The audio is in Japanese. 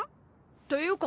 っていうか